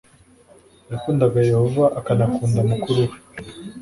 yakundaga yehova akanakunda mukuru we